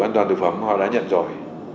an toàn thực phẩm họ đã nhận rồi